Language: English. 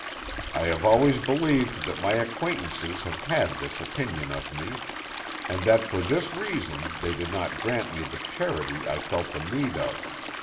I have always believed that my acquaintances have had this opinion of me, and that for this reason they did not grant me the charity I felt the need of.